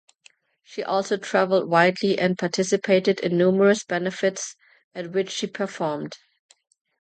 She also traveled widely and participated in numerous benefits, at which she performed.